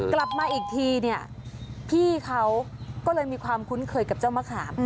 กลับมาอีกทีเนี่ยพี่เขาก็เลยมีความคุ้นเคยกับเจ้ามะขาม